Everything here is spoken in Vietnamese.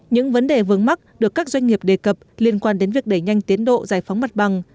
những vấn đề vướng mắt được các doanh nghiệp đề cập liên quan đến việc đẩy nhanh tiến độ giải phóng mặt bằng